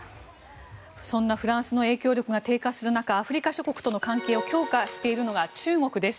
そんなフランスの影響力が低下する中アフリカ諸国との関係を強化しているのが中国です。